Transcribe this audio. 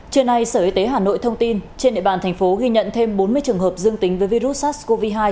trưa nay sở y tế hà nội thông tin trên địa bàn thành phố ghi nhận thêm bốn mươi trường hợp dương tính với virus sars cov hai